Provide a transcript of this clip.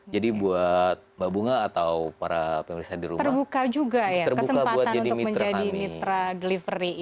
jadi buat mbak bunga atau para pemirsa di rumah terbuka juga ya kesempatan untuk menjadi mitra delivery ini